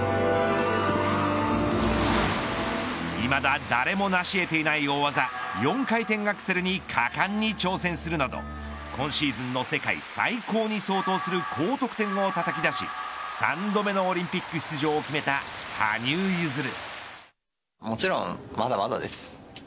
いまだ誰もなし得ていない大技４回転アクセルに果敢に挑戦するなど今シーズンの世界最高に相当する高得点をたたき出し３度目のオリンピック出場を決めた羽生結弦。